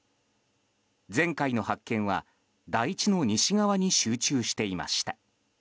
前回の発見は台地の西側に集中していました。